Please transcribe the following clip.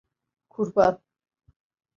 Kurban…